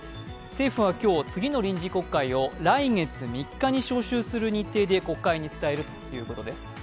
政府は今日、次の臨時国会を来月３日に召集することで国会に伝えるということです。